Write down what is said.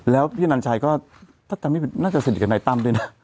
แล้วพี่นันชายก็ถ้าไม่เป็นน่าจะเสร็จกันในตั้มด้วยนะ